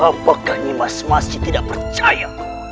apakah nyimash masih tidak percaya